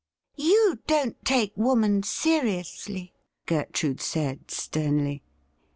' You don't take woman seriously,' Gertrude said sternly.